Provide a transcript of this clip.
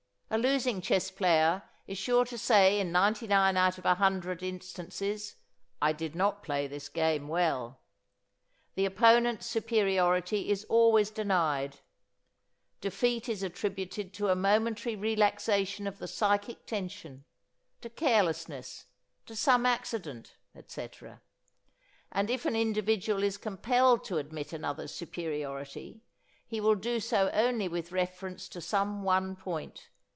A losing chess player is sure to say in ninety nine out of a hundred instances: "I did not play this game well." The opponent's superiority is always denied; defeat is attributed to a momentary relaxation of the psychic tension, to carelessness, to some accident, etc. And if an individual is compelled to admit another's superiority, he will do so only with reference to some one point.